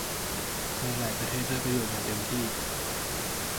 ในหลายประเทศได้ประโยชน์อย่างเต็มที่